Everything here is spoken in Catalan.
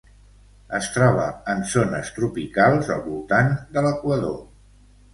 Es troba en zones tropicals al voltant de l'Equador.